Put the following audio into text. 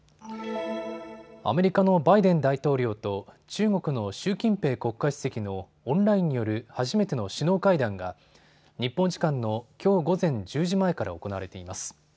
アメリカのバイデン大統領と中国の習近平国家主席のオンラインによる初めての首脳会談が日本時間のきょう午前１０時前から行われています。